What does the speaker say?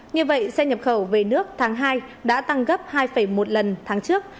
như vậy xe nhập khẩu về nước tháng hai đã tăng gấp hai một lần tháng trước